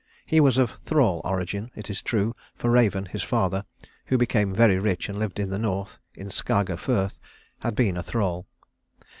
He was of thrall origin, it is true, for Raven, his father, who became very rich and lived in the North, in Skaga Firth, had been a thrall.